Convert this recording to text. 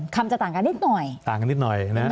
คำจะต่างกันนิดหน่อย